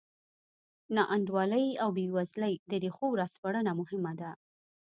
ناانډولۍ او بېوزلۍ د ریښو راسپړنه مهمه ده.